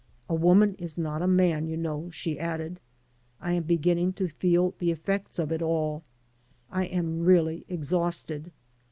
"A woman is not a man, you know," she added. ^^I am beginning to feel the effects of it all. I am really exhausted.